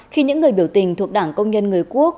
khi những người biểu tình thuộc đảng công nhân người quốc